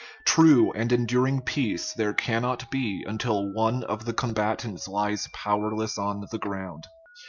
True and en during peace there cannot be until one of the comba tants lies powerless on the ground.